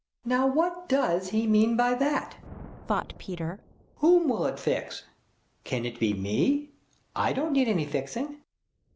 "Now what does he mean by that?" thought Peter. "Who will it fix? Can it be me? I don't need any fixing."